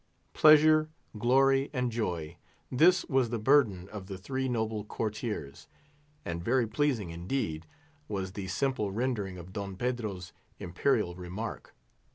Pleasure, Glory, and Joy—this was the burden of the three noble courtiers. And very pleasing indeed—was the simple rendering of Don Pedro's imperial remark.